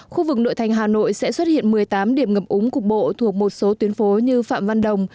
khu vực nội thành hà nội sẽ xuất hiện một mươi tám điểm ngập úng cục bộ thuộc một số tuyến phố như phạm văn đồng